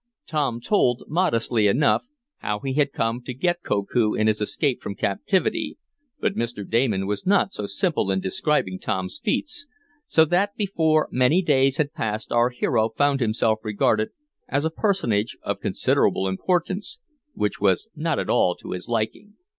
Tom told, modestly enough, how he had come to get Koku in his escape from captivity, but Mr. Damon was not so simple in describing Tom's feats, so that before many days had passed our hero found himself regarded as a personage of considerable importance, which was not at all to his liking.